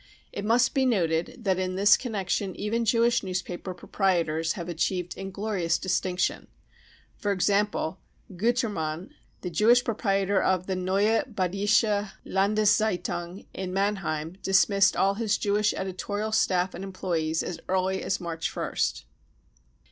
It must be noted that in this connection even Jewish newspaper proprietors have achieved inglorious distinction ; for example, Giitermann, the Jewish proprietor of the JVeue Badische Landeszeitung in Mannheim, dismissed all his Jewish editorial staff and employees as early as March 1st.